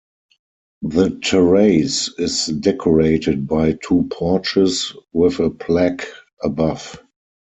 The terrace is decorated by two porches, with a plaque above.